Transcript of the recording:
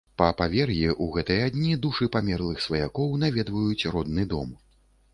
Па павер'і ў гэтыя дні душы памерлых сваякоў наведваюць родны дом.